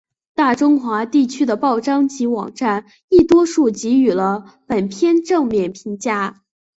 大中华地区的报章及网站亦多数给予了本片正面评价。